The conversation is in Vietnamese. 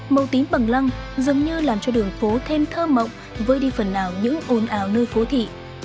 màu tím bằng lăng giống như làm cho đường phố thêm thơ mộng với đi phần nào những ồn ào nơi phố thị